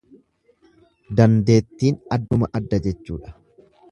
Dandeettin adduma adda jechuudha.